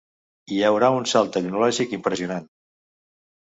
Hi haurà un salt tecnològic impressionant.